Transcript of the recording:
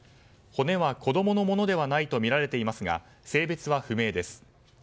骨は子供のものではないとみられていますが性別は不明です。